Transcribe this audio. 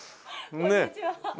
こんにちは。